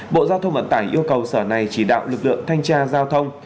bộ giao thông vận tải yêu cầu sở này chỉ đạo lực lượng thanh tra giao thông